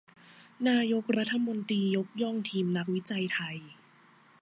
นายกรัฐมนตรียกย่องทีมนักวิจัยไทย